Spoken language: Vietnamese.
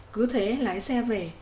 cứ thế lái xe về